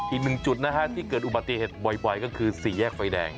อีกหนึ่งจุดนะฮะที่เกิดอุบัติเหตุบ่อยก็คือสี่แยกไฟแดง